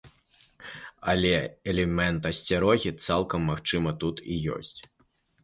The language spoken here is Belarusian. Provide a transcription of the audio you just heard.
Але элемент асцярогі, цалкам магчыма, тут і ёсць.